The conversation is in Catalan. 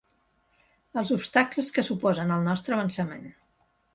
Els obstacles que s'oposen al nostre avançament.